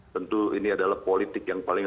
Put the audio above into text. tentu ini adalah politik yang paling